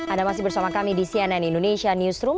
anda masih bersama kami di cnn indonesia newsroom